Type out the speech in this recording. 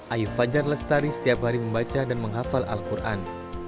ayu fajar lestari setiap hari membaca dan menghafal al quran